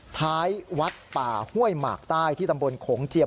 ท้ายวัดป่าห้วยหมากใต้ที่ตำบลโขงเจียม